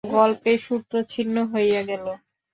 গল্পের সূত্র ছিন্ন হইয়া গেল।